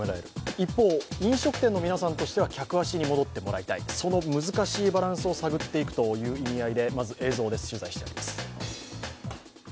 一方、飲食店の皆さんとしては客足に戻ってもらいたい、その難しいバランスを探っていくという意味合いでまず映像です、取材してあります。